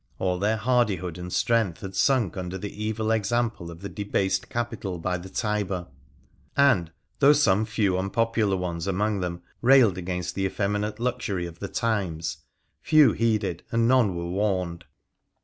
All their hardihood and strength had sunk under the evil example of the debased capital by the Tiber ; and, though some few unpopular ones among them railed against the effeminate luxury of the times, few heeded and none were warned.